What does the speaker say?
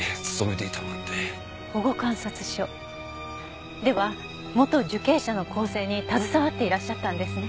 保護観察所？では元受刑者の更生に携わっていらっしゃったんですね。